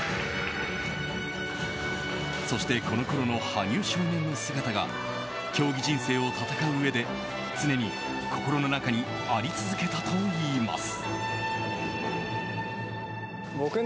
そしてこのころの羽生少年の姿が競技人生を戦ううえで常に心の中にあり続けたといいます。